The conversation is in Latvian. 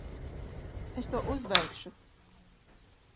Es to uzveikšu.